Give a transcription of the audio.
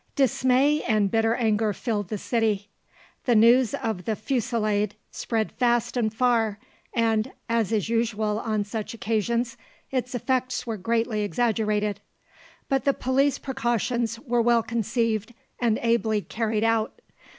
Dismay and bitter anger filled the city. The news of the fusilade spread fast and far, and, as is usual on such occasions, its effects were greatly exaggerated. But the police precautions were well conceived and ably carried out.